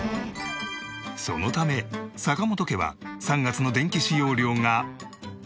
そのため坂本家は３月の電気使用料が。